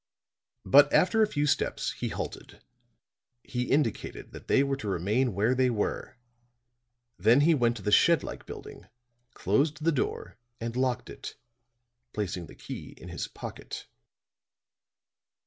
But after a few steps he halted. He indicated that they were to remain where they were; then he went to the shed like building, closed the door and locked it, placing the key in his pocket.